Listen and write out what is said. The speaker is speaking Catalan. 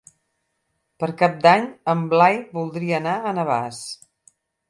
Per Cap d'Any en Blai voldria anar a Navàs.